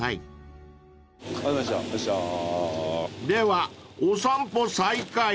［ではお散歩再開］